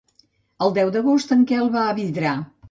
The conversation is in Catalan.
El deu d'agost en Quel va a Vidrà.